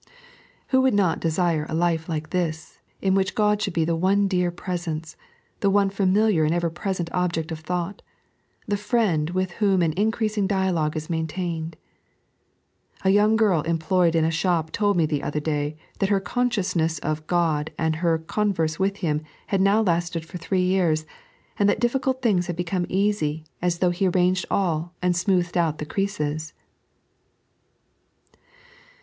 Who would not desire a life like this, in which Ood should be the one dear Presence, the one familiar and ever present object of thought, the Friend with whom an increasing dialogue is maintained ? A young girl employed in a shop told me the other day that her consciousness of Crod and her converse with Him had now lasted for three years, and that difficult things had become easy, as though Ke arranged all and smoothed out the creases.